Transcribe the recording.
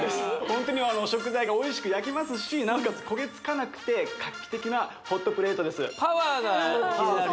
ホントに食材がおいしく焼けますしなおかつ焦げ付かなくて画期的なホットプレートです